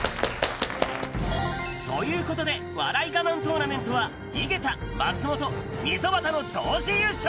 ということで、笑いガマントーナメントは井桁、松本、溝端の同時優勝。